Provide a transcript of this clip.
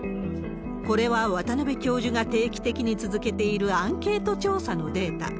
これは渡辺教授が定期的に続けているアンケート調査のデータ。